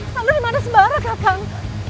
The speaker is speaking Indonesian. kamu dimana sembara kakang